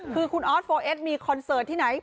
คือคุณออสโฟเอสมีคอนเสิร์ตที่ไหน